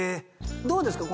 どうですか？